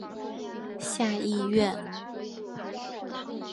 下议院。